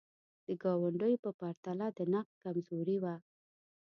د ګاونډیو په پرتله د نقد کمزوري وه.